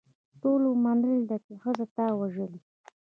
ټولو منلې ده چې ښځه تا وژلې.